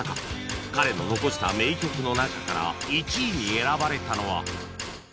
彼の残した名曲の中から１位に選ばれたのは